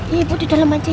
iya ibu di dalam aja ya